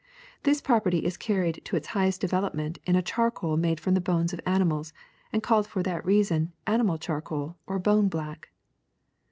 ^'This property is carried to its highest develop ment in a charcoal made from the bones of animals and called for that reason animal charcoal or bone black.